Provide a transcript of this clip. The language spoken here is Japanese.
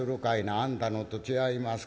『あんたのと違いますか？』